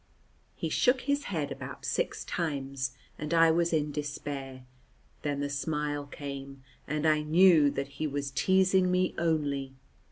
He shook his head about six times, and I was in despair. Then the smile came, and I knew that he was teasing me only.